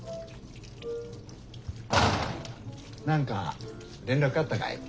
何か連絡あったかい？